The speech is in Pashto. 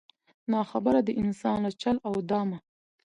نا خبره د انسان له چل او دامه